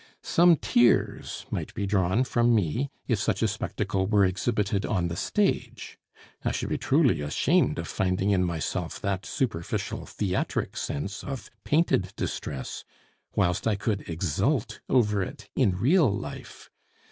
Some tears might be drawn from me, if such a spectacle were exhibited on the stage. I should be truly ashamed of finding in myself that superficial, theatric sense of painted distress, whilst I could exult over it in real life.